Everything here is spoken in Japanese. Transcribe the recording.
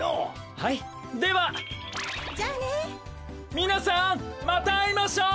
みなさんまたあいましょう！